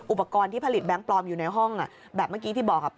อุปกรณ์ที่ผลิตแบงค์ปลอมอยู่ในห้องแบบเมื่อกี้ที่บอก